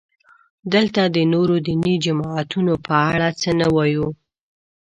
دلته د نورو دیني جماعتونو په اړه څه نه وایو.